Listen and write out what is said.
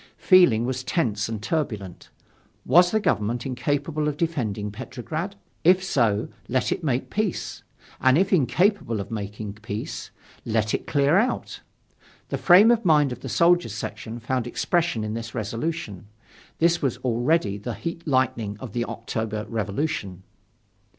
Feeling was tense and turbulent, Was the Government incapable of defending Petrograd? If so, let it make peace. And if incapable of making peace, let it clear out. The frame of mind of the Soldiers' section found expression in this resolution. This was already the heat lightning of the October Revolution.